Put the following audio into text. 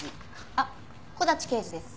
あっ木立刑事です。